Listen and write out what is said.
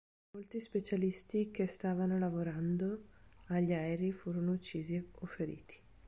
Molti specialisti, che stavano lavorando agli aerei, furono uccisi o feriti.